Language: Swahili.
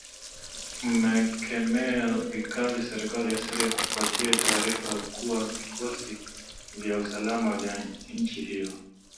mmekemea vikali serikali ya syria kufuatia taarifa kuwa vikosi vya usalama vya nchi hiyo